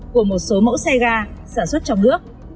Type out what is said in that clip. của một số mẫu xe ga sản xuất trong nước